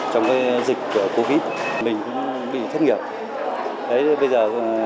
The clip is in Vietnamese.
trong dịch covid một mươi chín mình bị thất nghiệp